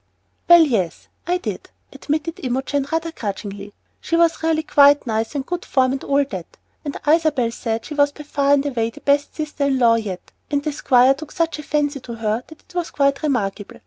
"Well, yes, I did," admitted Imogen, rather grudgingly. "She was really quite nice, and good form, and all that, and Isabel said she was far and away the best sister in law yet, and the Squire took such a fancy to her that it was quite remarkable.